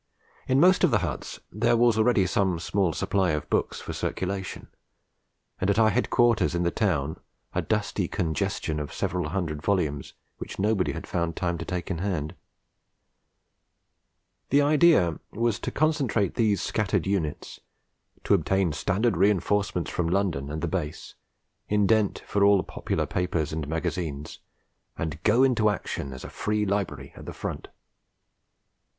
In most of the huts there was already some small supply of books for circulation, and at our headquarters in the town a dusty congestion of several hundred volumes which nobody had found time to take in hand. The idea was to concentrate these scattered units, to obtain standard reinforcements from London and the base, indent for all the popular papers and magazines, and go into action as a Free Library at the Front.